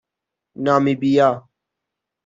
نامیبیا